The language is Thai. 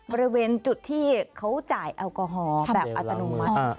บริเวณจุดที่เขาจ่ายแอลกอฮอล์แบบอัตโนมัติ